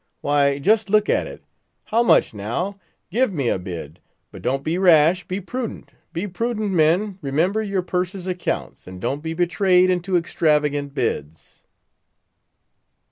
Why, just look at it! How much, now? Give me a bid—but don't be rash; be prudent, be prudent, men; remember your Purser's accounts, and don't be betrayed into extravagant bids."